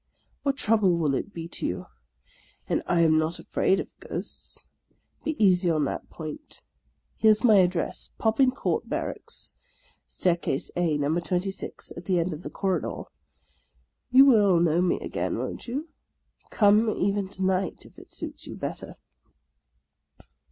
What trouble will it be to you ? and I am not afraid of ghosts. Be easy on that point. Here 's my address: Popincourt Barracks, staircase A, No. 26, at the end of the corridor. You will know me again, won't you? Come even to night, if it suits you bet ter."